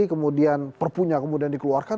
kemudian perpunya kemudian dikeluarkan